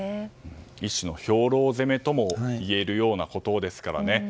一種の兵糧攻めともいえるようなことですからね。